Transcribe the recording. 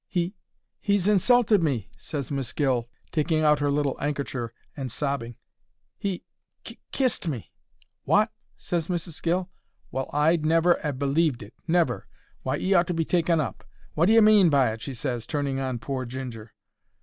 "He—he's insulted me," ses Miss Gill, taking out her little 'ankercher and sobbing. "He—k kissed me!" "WOT!" ses Mrs. Gill. "Well, I'd never 'ave believed it! Never! Why 'e ought to be taken up. Wot d'ye mean by it?" she ses, turning on pore Ginger.